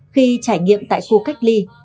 khi trải nghiệm tại khu cách ly